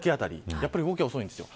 やっぱり動きが遅いです。